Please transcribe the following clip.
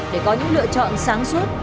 để có những lựa chọn sáng suốt